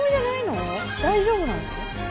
大丈夫なの？